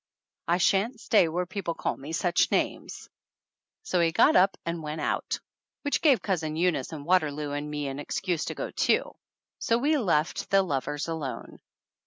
I shan't stay where people call me such names !" So he got up and went out, which gave Cousin Eunice and Waterloo and me an excuse to go too. So we left the lovers alone.